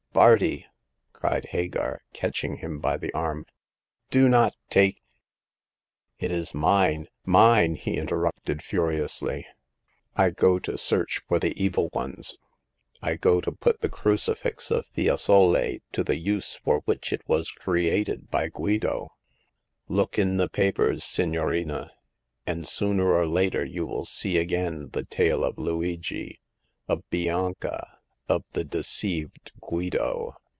Bardi !" said Hagar, catching him by the arm, do not take "It is mine — mine !" he interrupted, furiously. I go to search for the evil ones ! I go to put the Crucifix of Fiesole to the use for which it ii8 Hagar of the Pawn Shop. was created by Guido ! Look in the papers, signorina, and sooner or later you will see again the tale of Luigi, of Bianca, of the deceived Guido